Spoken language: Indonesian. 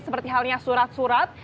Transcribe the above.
seperti halnya surat surat